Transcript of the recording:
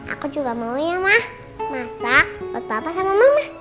aku juga mau ya ma masak buat papa sama mama